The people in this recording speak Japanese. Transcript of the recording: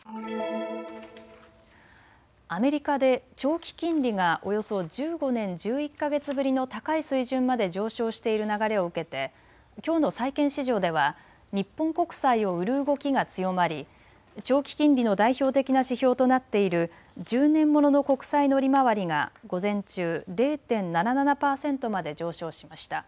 アメリカで長期金利がおよそ１５年１１か月ぶりの高い水準まで上昇している流れを受けてきょうの債券市場では日本国債を売る動きが強まり長期金利の代表的な指標となっている１０年ものの国債の利回りが午前中、０．７７％まで上昇しました。